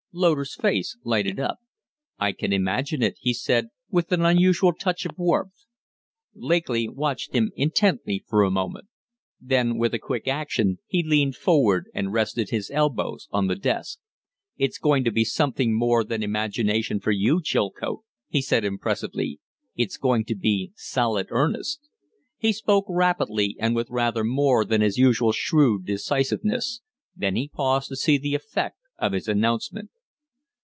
Loder's face lighted up. "I can imagine it," he said, with an unusual touch of warmth. Lakely watched him intently for a moment. Then with a quick action he leaned forward and rested his elbows on the desk. "It's going to be something more than imagination for you, Chilcote," he said, impressively. "It's going to be solid earnest!" He spoke rapidly and with rather more than his usual shrewd decisiveness; then he paused to see the effect of his announcement.